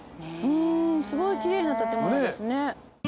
すごい奇麗な建物ですね。